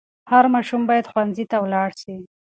هر ماشوم باید ښوونځي ته ولاړ سي.